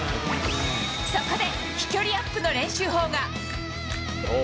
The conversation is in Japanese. そこで、飛距離アップの練習法が。